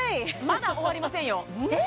まだ終わりませんよえっ！？